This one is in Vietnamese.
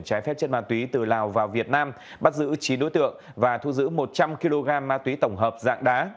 trái phép chất ma túy từ lào vào việt nam bắt giữ chín đối tượng và thu giữ một trăm linh kg ma túy tổng hợp dạng đá